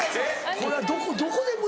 これは。